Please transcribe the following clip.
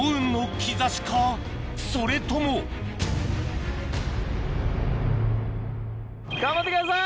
それとも頑張ってください。